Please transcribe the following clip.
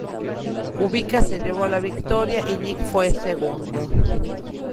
Kubica se llevó la victoria y Nick fue segundo.